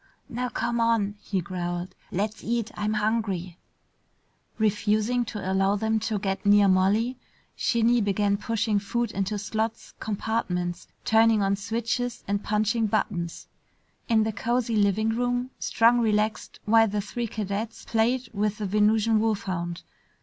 "Now come on!" he growled. "Let's eat. I'm hungry!" Refusing to allow them to get near Molly, Shinny began pushing food into slots, compartments, turning on switches and punching buttons. In the cozy living room, Strong relaxed while the three cadets played with the Venusian wolfhound.